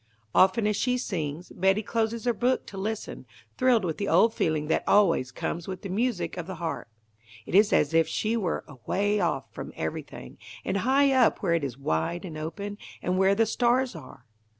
Often as she sings, Betty closes her book to listen, thrilled with the old feeling that always comes with the music of the harp. It is as if she were "away off from everything, and high up where it is wide and open, and where the stars are."